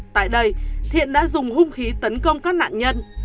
tại đây thiện đã dùng hung khí tấn công các nạn nhân